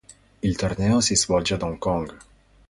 Il torneo si svolge ad Hong Kong.